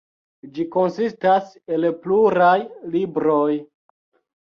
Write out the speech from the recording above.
Ĝi konsistas el pluraj libroj.